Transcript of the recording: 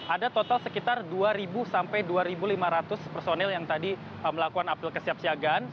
ada total sekitar dua sampai dua lima ratus personil yang tadi melakukan apel kesiapsiagaan